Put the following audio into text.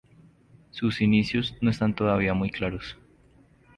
Sus inicios no están todavía muy claros.